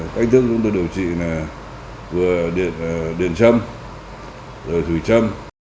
cách thức chúng tôi điều trị là vừa điện châm rồi thủy châm